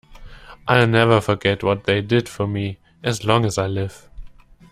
I'll never forget what they did for me, as long as I live.